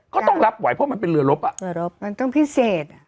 ก็ต้องรับไหวเพราะมันเป็นเรือรบมันต้องพิเศษ